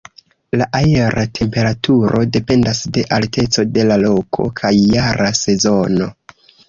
La aera temperaturo dependas de alteco de la loko kaj jara sezono.